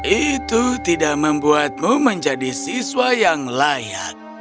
itu tidak membuatmu menjadi siswa yang layak